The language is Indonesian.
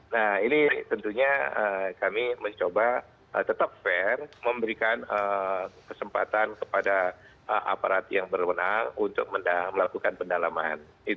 nah ini tentunya kami mencoba tetap fair memberikan kesempatan kepada aparat yang berwenang untuk melakukan pendalaman